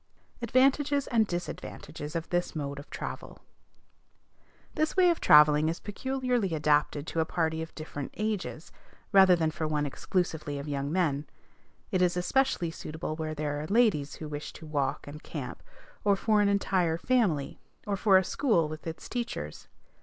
ADVANTAGES AND DISADVANTAGES OF THIS MODE OF TRAVEL. This way of travelling is peculiarly adapted to a party of different ages, rather than for one exclusively of young men. It is especially suitable where there are ladies who wish to walk and camp, or for an entire family, or for a school with its teachers.